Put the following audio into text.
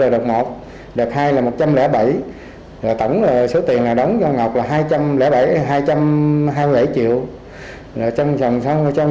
đợt hai đợt ba đợt một là một trăm hai mươi triệu đợt hai là một trăm linh bảy tổng số tiền đóng cho ngọc là hai trăm linh bảy hai trăm hai mươi triệu trong vòng tám một mươi tháng là đi qua tới mỹ